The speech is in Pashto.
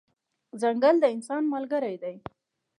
ځنګل د انسان ملګری دی.